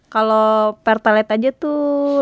kalau pertalet aja tuh